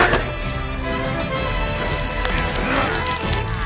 ああ！